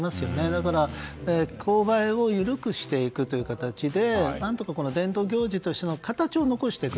だから勾配を緩くしていくという形で何とか伝統行事としての形を残していく。